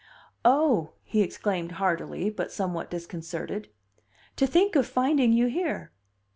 "Oh!" he exclaimed, hearty, but somewhat disconcerted. "To think of finding you here!